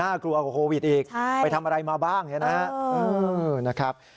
กลัวกว่าโควิดอีกไปทำอะไรมาบ้างเนี่ยนะครับ